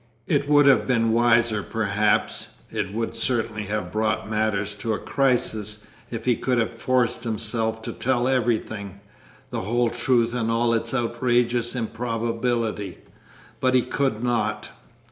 It would have been wiser perhaps, it would certainly have brought matters to a crisis, if he could have forced himself to tell everything the whole truth in all its outrageous improbability but he could not.